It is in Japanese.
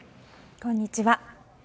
こんにちは。